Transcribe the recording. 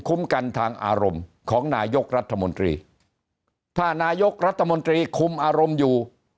กันทางอารมณ์ของนายกรัฐมนตรีถ้านายกรัฐมนตรีคุมอารมณ์อยู่